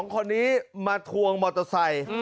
คนนี้มาทวงมอเตอร์ไซค์